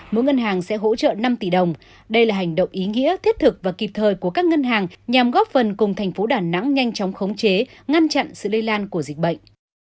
mỗi ngân hàng sẽ hỗ trợ năm tỷ đồng đây là hành động ý nghĩa thiết thực và kịp thời của các ngân hàng nhằm góp phần cùng thành phố đà nẵng nhanh chóng khống chế ngăn chặn sự lây lan của dịch bệnh